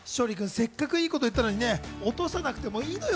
せっかくいいこと言ったのに、落とさなくてもいいのよ。